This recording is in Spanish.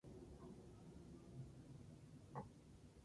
Su concepto se desarrolló durante el auge del Imperio austrohúngaro.